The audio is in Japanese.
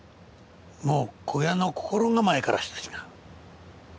もう小屋の心構えからして違う。